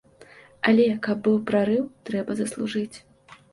Але каб быў прарыў, трэба заслужыць.